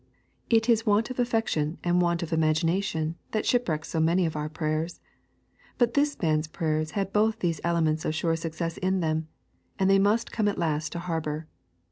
It is want of affection, and want of imagination, that shipwrecks so many of our prayers. But this man's prayers had both these elements of sure success in them, and they must come at last to harbour.